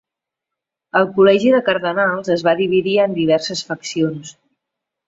El Col·legi de Cardenals es va dividir en diverses faccions.